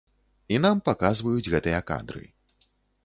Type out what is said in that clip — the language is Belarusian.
І нам паказваюць гэтыя кадры.